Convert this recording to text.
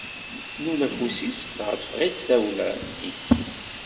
Innul afus-is, dɣa teffeɣ-itt tawla-nni.